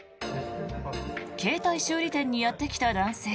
携帯修理店にやってきた男性。